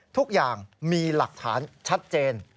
ทุกอย่างมีหลักฐานชัดเจน